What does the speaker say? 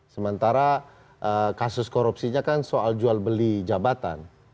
sementara kasus korupsinya kan soal jual beli jabatan